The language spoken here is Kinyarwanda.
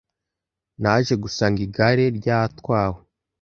Naje gusanga igare ryatawe